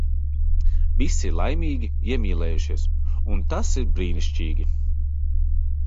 Visi ir laimīgi, iemīlējušies. Un tas ir brīnišķīgi.